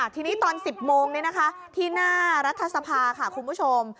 ทีนี้ตอน๑๐โมงที่หน้ารัฐสภาค่ะคุณผู้ชม